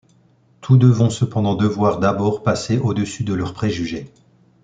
Tous deux vont cependant devoir tout d'abord passer au-dessus de leurs préjugés.